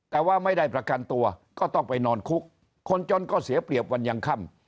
แต่ว่าไม่ได้ประกันตัวก็ต้องไปนอนคุกคนจนก็เสียเปรียบวันยังค่ำ